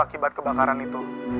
akibat kebakaran itu